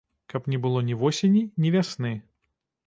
Каб не было ні восені, ні вясны.